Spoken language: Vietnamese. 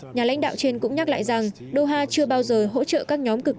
nhà lãnh đạo trên cũng nhắc lại rằng doha chưa bao giờ hỗ trợ các nhóm cực